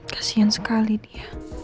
kasian sekali dia